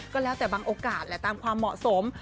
ก็แล้วแต่บางโอกาสแหละตามความเหมาะสม